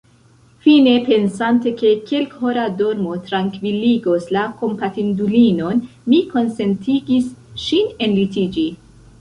Fine, pensante, ke kelkhora dormo trankviligos la kompatindulinon, mi konsentigis ŝin enlitiĝi.